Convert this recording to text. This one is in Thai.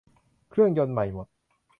เครื่องยนต์ใหม่หมด